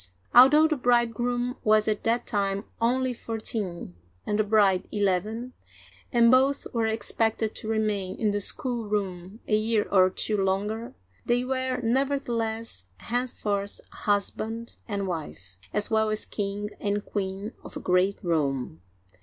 Although the bridegroom was at that time only fourteen and the bride eleven, and both were expected to remain in the schoolroom a year or two longer, they were nevertheless henceforth husband and wife, as well as king and queen of a great realm.